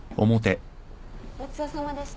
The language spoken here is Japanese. ごちそうさまでした。